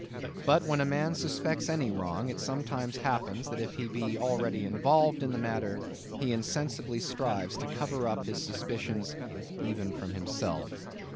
But when a man suspects any wrong, it sometimes happens that if he be already involved in the matter, he insensibly strives to cover up his suspicions even from himself.